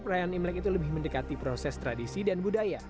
perayaan imlek itu lebih mendekati proses tradisi dan budaya